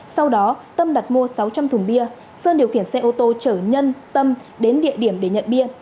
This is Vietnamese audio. sau đó tâm đặt mua sáu trăm linh thùng bia sơn điều khiển xe ô tô chở nhân tâm đến địa điểm để nhận bia